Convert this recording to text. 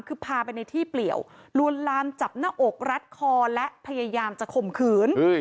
คือพาไปในที่เปลี่ยวลวนลามจับหน้าอกรัดคอและพยายามจะข่มขืน